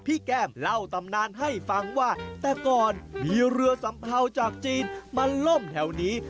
แก้มเล่าตำนานให้ฟังว่าแต่ก่อนมีเรือสัมเภาจากจีนมาล่มแถวนี้